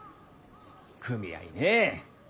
組合ねえ。